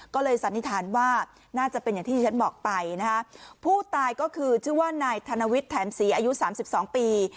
ก็เลยสันนิษฐานว่าน่าจะเป็นอย่างที่ฉันบอกไปนะคะผู้ตายก็คือชื่อว่านายธนวิทย์แถมศรีอายุสามสิบสองปี